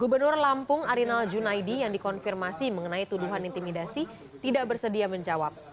juniman juga mengatakan bahwa arinal junaidi yang dikonfirmasi mengenai tuduhan intimidasi tidak bersedia menjawab